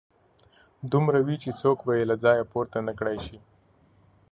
دومره وي چې څوک به يې له ځايه پورته نه کړای شي.